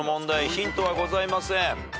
ヒントはございません。